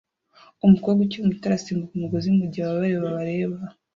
Umukobwa ukiri muto arasimbuka umugozi mugihe abareba bareba